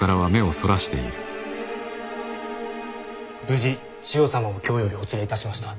無事千世様を京よりお連れいたしました。